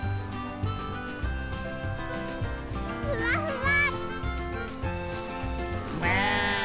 ふわふわ。